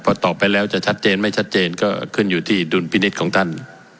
พอตอบไปแล้วจะชัดเจนไม่ชัดเจนก็ขึ้นอยู่ที่ดุลพินิษฐ์ของท่าน